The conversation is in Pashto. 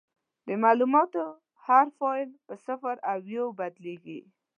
د معلوماتو هر فایل په صفر او یو بدلېږي.